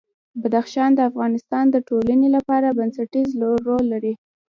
بدخشان د افغانستان د ټولنې لپاره بنسټيز رول لري.